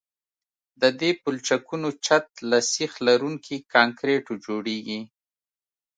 د دې پلچکونو چت له سیخ لرونکي کانکریټو جوړیږي